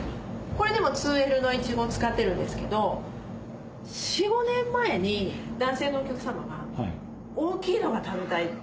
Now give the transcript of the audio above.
これでも２Ｌのいちごを使ってるんですけど４５年前に男性のお客さまが「大きいのが食べたい」。